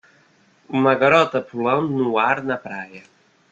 Uma garota pulando no ar na praia.